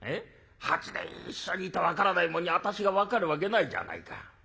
８年一緒にいて分からないもんに私が分かるわけないじゃないか。